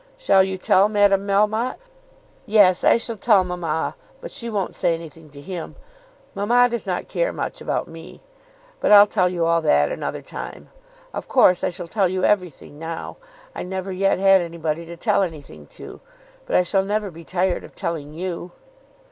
Shall you tell Madame Melmotte?" "Yes, I shall tell mamma; but she won't say anything to him. Mamma does not care much about me. But I'll tell you all that another time. Of course I shall tell you everything now. I never yet had anybody to tell anything to, but I shall never be tired of telling you."